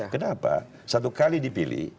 kenapa satu kali dipilih